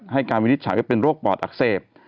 การวินิจฉัยว่าเป็นโรคปอดอักเสบ